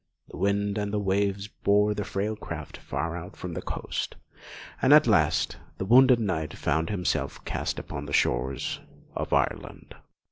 The wind and waves bore the frail craft far out from the coast, and at last the wounded knight found himself cast upon the shores of Ireland.